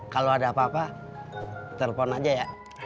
kalau ada apa apa telpon aja ya